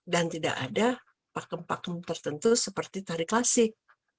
dan tidak ada pakem pakem tertentu seperti tari klasik